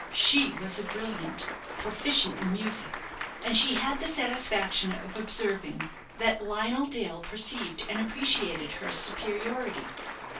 She was a brilliant proficient in music, and she had the satisfaction of observing that Lionel Dale perceived and appreciated her superiority.